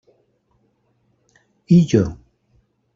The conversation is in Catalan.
I jo?